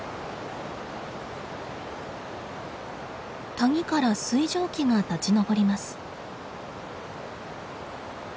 谷から水蒸気が立ち上ります。